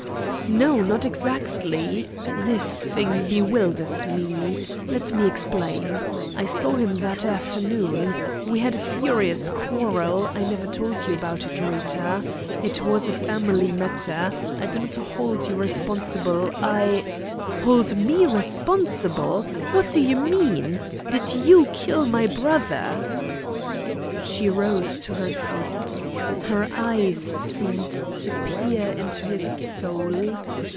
"No, not exactly. This thing bewilders me. Let me explain. I saw him that afternoon. We had a furious quarrel. I never told you about it, Rita. It was a family matter. I do not hold you responsible. I " "Hold me responsible! What do you mean? Did you kill my brother?" She rose to her feet. Her eyes seemed to peer into his soul.